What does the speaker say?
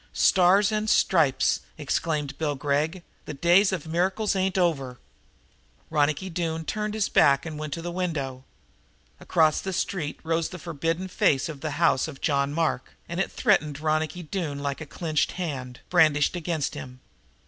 "Stars and Stripes!" exclaimed Bill Gregg. "The days of the miracles ain't over!" Ronicky Doone turned his back and went to the window. Across the street rose the forbidding face of the house of John Mark, and it threatened Ronicky Doone like a clenched hand, brandished against him.